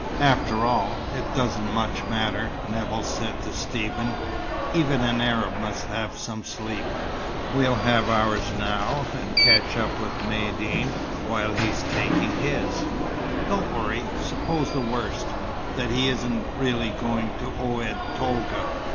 "After all, it doesn't much matter," Nevill said to Stephen. "Even an Arab must have some sleep. We'll have ours now, and catch up with Maïeddine while he's taking his. Don't worry. Suppose the worst that he isn't really going to Oued Tolga.